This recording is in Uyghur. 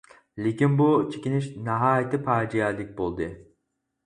لېكىن بۇ چېكىنىش ناھايىتى پاجىئەلىك بولدى.